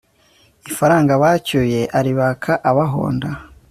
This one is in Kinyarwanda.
ifaranga bacyuyearibaka abahonda